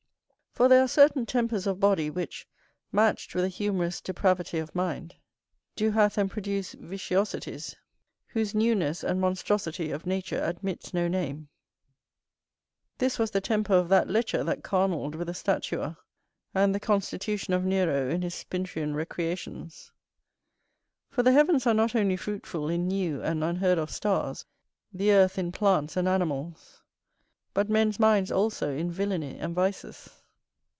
For there are certain tempers of body which, matched with a humorous depravity of mind, do hatch and produce vitiosities, whose newness and monstrosity of nature admits no name; this was the temper of that lecher that carnaled with a statua, and the constitution of Nero in his spintrian recreations. For the heavens are not only fruitful in new and unheard of stars, the earth in plants and animals, but men's minds also in villany and vices.